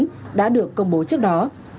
đây là những trường hợp đã được công bố trước đó